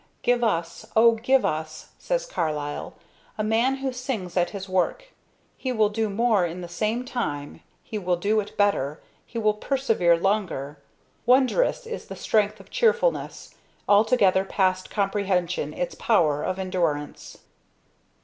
"Give us, oh give us," says Carlyle, "a man who sings at his work. He will do more in the same time, he will do it better, he will persevere longer. Wondrous is the strength of cheerfulness; altogether past comprehension its power of endurance."